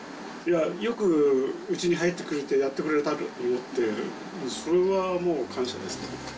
よくうちに入ってくれて、やってくれたと思って、それはもう感謝ですね。